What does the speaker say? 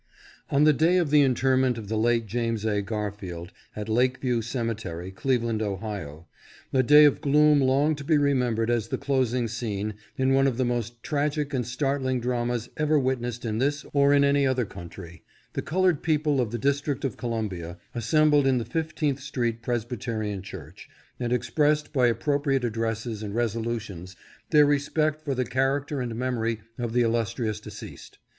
ON the day of the interment of the late James A . Gar* field, at Lake View cemetery, Cleveland, Ohio, a day of gloom long to be remembered as the closing scene in one of the most tragic and startling dramas ever wit nessed in this or in any other country, the colored people of the District of Columbia assembled in the Fifteenth street Presbyterian church, and expressed by appropriate addresses and resolutions their respect for the character and memory of the illustrious deceased.